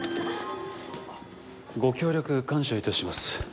ご協力感謝致します。